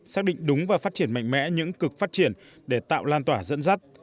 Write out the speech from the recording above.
xác định đúng và phát triển mạnh mẽ những cực phát triển để tạo lan tỏa dẫn dắt